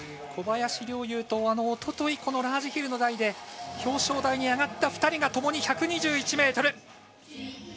小林陵侑とおとといラージヒルの台で表彰台に上がった２人がともに１２１ｍ。